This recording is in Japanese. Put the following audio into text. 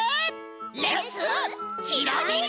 レッツひらめき！